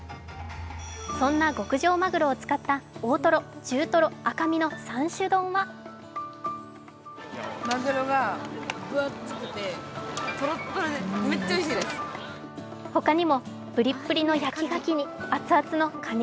そんな極上マグロを使った大トロ、中トロ、赤身の３種丼はほかにもぷりっぷりの焼きがきに熱々のかに